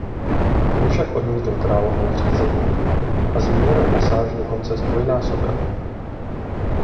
Ten však odmítl královo nařízení a zmíněnou pasáž dokonce zdvojnásobil.